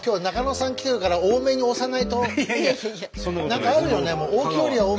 何かあるよね。